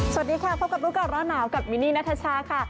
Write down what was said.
สวัสดีค่ะพบกับรู้ก่อนร้อนหนาวกับมินนี่นัทชาค่ะ